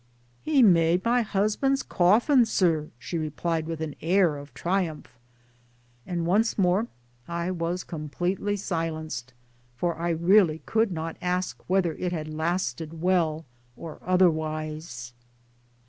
"" He made my husband's coffin, Sir," she replied with an air of triumlph' I And once UNIVERSITY EXTENSION 91 more I was completely silenced for I really could not ask whether it had lasted well or otherwise.